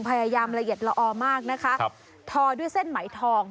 พยายามละเอียดละออมากนะคะครับทอด้วยเส้นไหมทอง